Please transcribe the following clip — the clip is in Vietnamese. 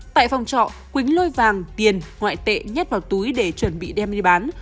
tại phòng trọ quỳnh lôi vàng tiền ngoại tệ nhát vào túi để chuẩn bị đem đi bán